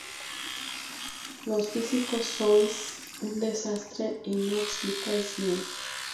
Los físicos sois un desastre y no explicáis bien